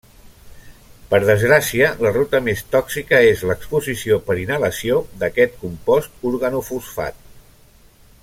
Per desgràcia, la ruta més tòxica és l’exposició per inhalació d’aquest compost organofosfat.